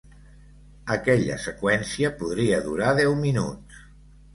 Aquella seqüència podria durar deu minuts.